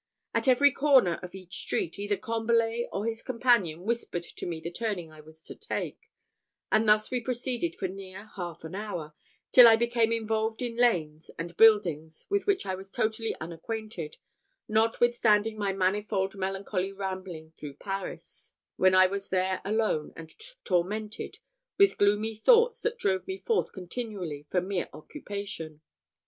At every corner of each street, either Combalet or his companion whispered to me the turning I was to take; and thus we proceeded for near half an hour, till I became involved in lanes and buildings with which I was totally unacquainted, notwithstanding my manifold melancholy rambling through Paris, when I was there alone and tormented with gloomy thoughts that drove me forth continually, for mere occupation.